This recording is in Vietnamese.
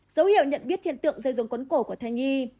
dấu hiệu nhận biết hiện tượng dây dùng cuốn cổ của thai nhi